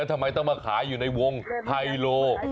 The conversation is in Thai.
ทำไมต้องมาขายอยู่ในวงไฮโล